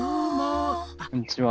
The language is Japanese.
こんにちは。